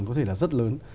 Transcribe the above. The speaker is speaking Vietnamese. có thể là rất lớn